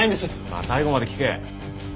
まあ最後まで聞け。